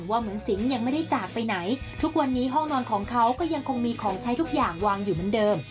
เหมือนสิงห์ยังไม่ได้จากไปไหนทุกวันนี้ห้องนอนของเขาก็ยังคงมีของใช้ทุกอย่างวางอยู่เหมือนเดิม